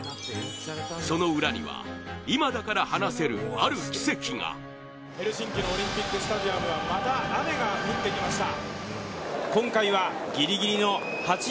その裏には、今だから話せるある奇跡がヘルシンキのオリンピックスタジアムはまた雨が降ってきました。